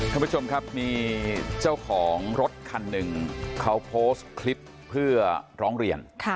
ท่านผู้ชมครับมีเจ้าของรถคันหนึ่งเขาโพสต์คลิปเพื่อร้องเรียน